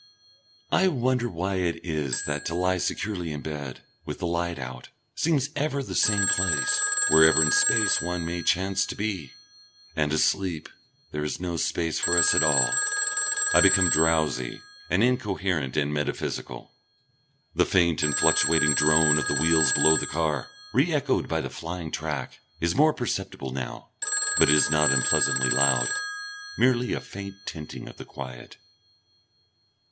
I wonder why it is that to lie securely in bed, with the light out, seems ever the same place, wherever in space one may chance to be? And asleep, there is no space for us at all. I become drowsy and incoherent and metaphysical.... The faint and fluctuating drone of the wheels below the car, re echoed by the flying track, is more perceptible now, but it is not unpleasantly loud, merely a faint tinting of the quiet....